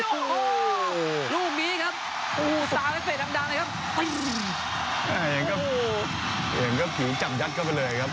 รูปนี้ครับสาวให้เป็นดำดำนะครับยังก็ยังก็ผีจำยัดเข้าไปเลยครับ